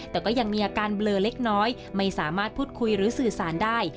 แต่ก็ยังมีอาการเบลอเล็กน้อยไม่สามารถพูดคุยหรือสื่อสารได้